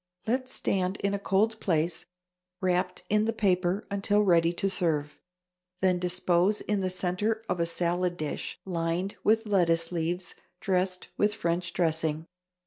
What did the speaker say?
Let stand in a cold place, wrapped in the paper, until ready to serve, then dispose in the centre of a salad dish, lined with lettuce leaves, dressed with French dressing.